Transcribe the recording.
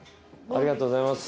ありがとうございます。